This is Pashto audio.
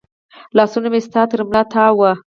لاسونه مې ستا تر ملا تاو و